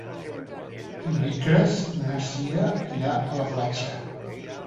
Dimecres na Cira irà a la platja.